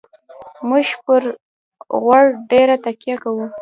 موږ پر غوړ ډېره تکیه کوو.